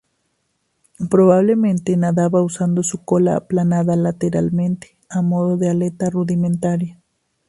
Probablemente nadaba usando su cola aplanada lateralmente, a modo de aleta rudimentaria.